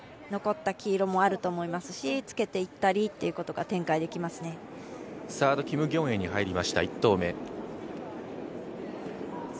残った黄色もあると思いますしつけていったりということがサード、キム・ギョンエに入りました、１投目。